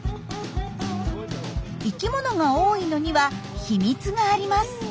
生きものが多いのには秘密があります。